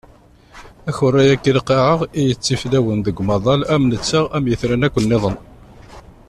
Akerra-agi n lqaɛa i yettiflawen deg umaḍal am netta am yitran akk niḍen.